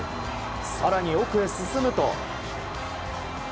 更に、奥へ進むと。